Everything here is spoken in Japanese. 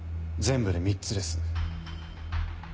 全部で３つです。